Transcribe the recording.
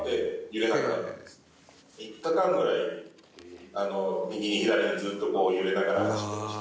３日間ぐらい右に左にずっとこう揺れながら走りました。